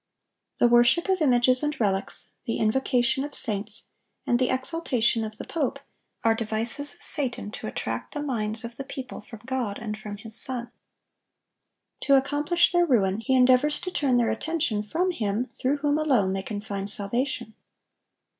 The worship of images and relics, the invocation of saints, and the exaltation of the pope, are devices of Satan to attract the minds of the people from God and from His Son. To accomplish their ruin, he endeavors to turn their attention from Him through whom alone they can find salvation.